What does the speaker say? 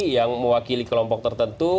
yang mewakili kelompok tertentu